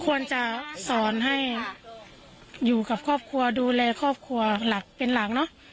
ควรจะสอนให้อยู่กับครอบครัวดูแลครอบครัวหลักเป็นหลังเนอะ